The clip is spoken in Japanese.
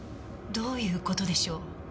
どういう事でしょう？